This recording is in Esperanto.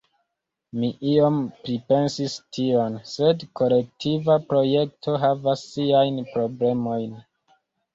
Mi iom pripensis tion, sed kolektiva projekto havas siajn problemojn.